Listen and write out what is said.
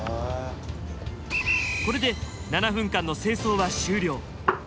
これで７分間の清掃は終了。